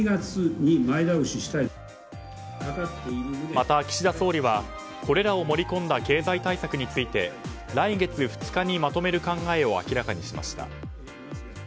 また、岸田総理はこれらを盛り込んだ経済対策について来月２日にまとめる考えを明らかにしました。